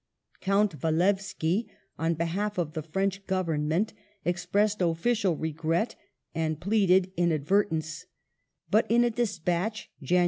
Count Walewski, on behalf of the French Government, expressed official regi et and pleaded inadvertence, but in a despatch (Jan.